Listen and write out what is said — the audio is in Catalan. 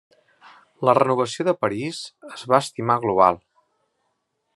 La renovació de París es va estimar global.